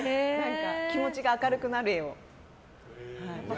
気持ちが明るくなる絵を。